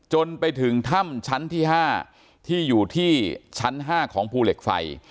จนไปถึงถ้ำชั้นที่๕ที่อยู่ที่ชั้น๕ของภูเหล็กไฟ